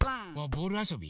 ボールあそび？